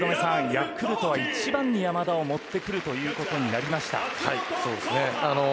ヤクルトは１番に山田をもってくるということになりました。